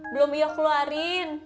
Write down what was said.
belum iyo keluarin